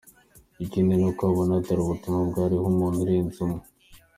Ikindi ni uko ubona atari ubutumwa bwarimo umuntu urenze umwe.